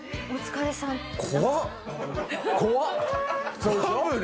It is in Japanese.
「お疲れさん」って。